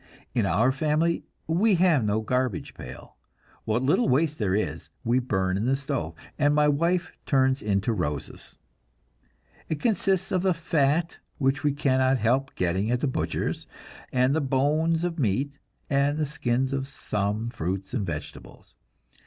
In our family we have no garbage pail. What little waste there is, we burn in the stove, and my wife turns it into roses. It consists of the fat which we cannot help getting at the butcher's, and the bones of meat, and the skins of some fruits and vegetables.